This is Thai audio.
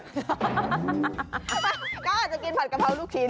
ก็อาจจะกินผัดกะเพราลูกชิ้น